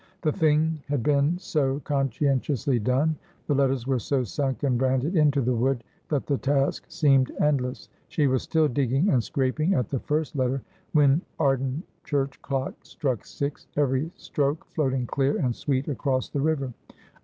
The thing had been so con scientiously done, the letters were so sunk and branded into the wood, that the task seemed endless ; she was still digging and and scraping at the first letter when Arden church clock struck six, every stroke floating clear and sweet across the river.